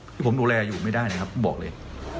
ที่ผมดูแลอยู่ไม่ได้นะครับบอกเลย